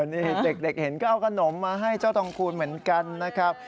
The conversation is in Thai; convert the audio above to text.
นี่เด็กเห็นก็เอาขนมมาให้เจ้าทองคูณเหมือนกันนะครับ